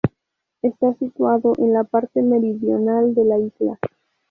Está situado en la parte meridional de la isla.